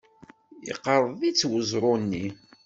Yeqreḍ-itt weẓru-nni.